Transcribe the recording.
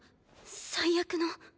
最悪の？